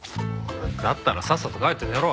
だったらさっさと帰って寝ろ。